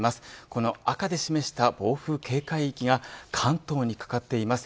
この赤で示した暴風警戒域が関東にかかっています。